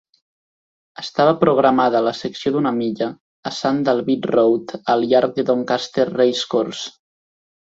Estava programada la secció d'una milla a Sandall Beat Road al llarg de Doncaster Racecourse.